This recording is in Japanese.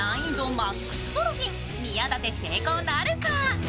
マックス・ドルフィン、宮舘、成功なるか？